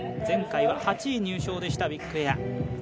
前回は８位入賞でしたビッグエア。